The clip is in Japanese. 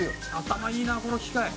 頭いいなこの機械。